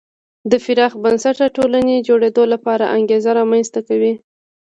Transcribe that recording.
د پراخ بنسټه ټولنې جوړېدو لپاره انګېزه رامنځته کوي.